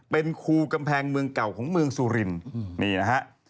เป็นครูกำแพงเมืองเก่าของเมืองสุรินนี่นะฮะ